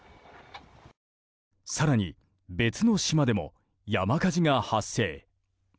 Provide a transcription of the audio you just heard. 更に別の島でも山火事が発生。